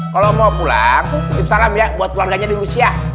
kalau mau pulang titip salam ya buat keluarganya di rusia